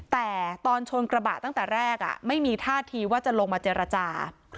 แต่ตอนชนกระบะตั้งแต่แรกไม่มีท่าทีว่าจะลงมาเจรจา